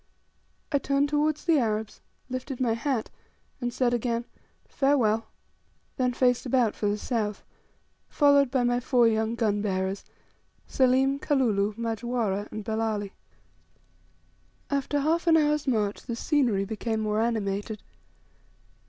I turned towards the Arabs, lifted my hat, and said again, "Farewell," then faced about for the south, followed by my four young gun bearers, Selim, Kalulu, Majwara, and Belali. After half an hour's march the scenery became more animated.